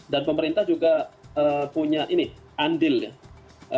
dan pemerintah juga punya ini andil ya